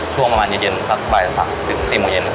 ฝากร้านให้คุณแม่หน่อย